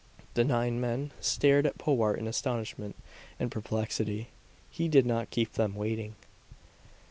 The nine men stared at Powart in astonishment and perplexity. He did not keep them waiting.